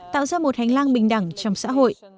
tạo ra một hành lang bình đẳng trong xã hội